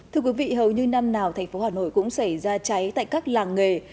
thưa quý vị hầu như năm nào thành phố hà nội cũng xảy ra cháy tại các làng nghề